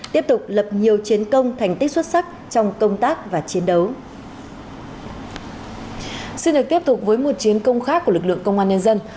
tiếp tục lập nhiều chiến công thành tích xuất sắc trong công tác và chiến đấu